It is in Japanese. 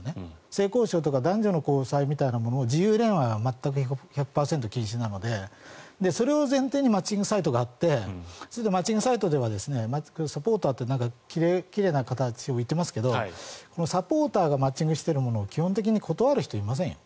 性交渉とか男女の交際みたいなものを自由恋愛は１００％禁止なのでそれを前提にマッチングサイトがあってマッチングサイトではサポーターと奇麗な形を言っていますがサポーターがマッチングしているものを基本的に断る人、いませんよ。